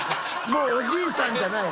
もうおじいさんじゃない。